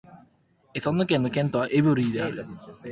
エソンヌ県の県都はエヴリーである